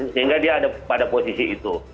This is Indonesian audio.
sehingga dia ada pada posisi itu